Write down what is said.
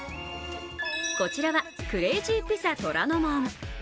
こちらはクレージーピザトラノモン。